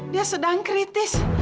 dia sedang kritis